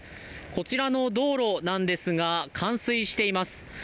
こちらの道路なんですが、冠水しています。